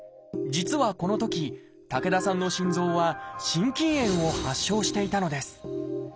実はこのとき竹田さんの心臓は「心筋炎」を発症していたのです。